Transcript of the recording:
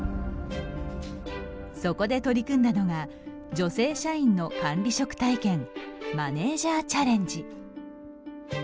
そこで取り組んだのが女性社員の管理職体験マネージャーチャレンジ。